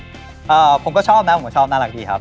ผมก็ชอบนะผมชอบน่ารักดีครับ